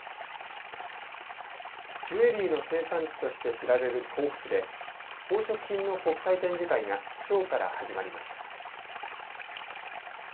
ジュエリーの生産地として知られる甲府市で宝飾品の国際展示会がきょうから始まりました。